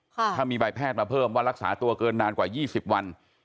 ถ้ามีใบแพทย์มาเพิ่มว่ารักษาตัวเกินนานกว่า๒๐วัน